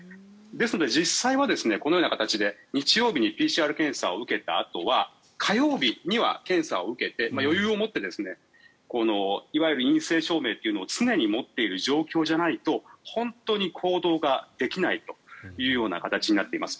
ですので、実際はこのような形で日曜日にＰＣＲ検査を受けたあとは火曜日には検査を受けて余裕を持っていわゆる陰性証明というのを常に持っている状況じゃないと本当に行動ができないというような形になっています。